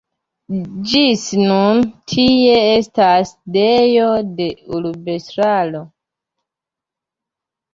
Ĝis nun tie estas sidejo de urbestraro.